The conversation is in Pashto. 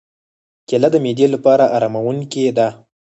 کېله د معدې لپاره آراموونکې ده.